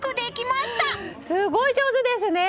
すごい上手ですね。